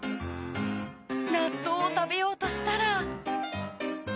納豆を食べようとしたら。